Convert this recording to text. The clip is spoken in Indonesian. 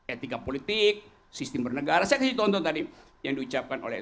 etika politik sistem bernegara saya kasih contoh tadi yang diucapkan oleh